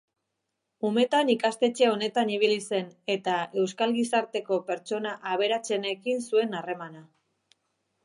Umetan ikastetxe onenetan ibili zen, eta euskal gizarteko pertsona aberatsenekin zuen harremana.